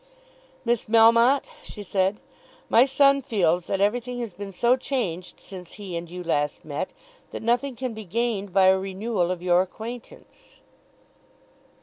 "Miss Melmotte," she said, "my son feels that everything has been so changed since he and you last met, that nothing can be gained by a renewal of your acquaintance."